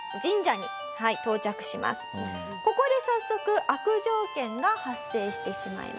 ここで早速悪条件が発生してしまいます。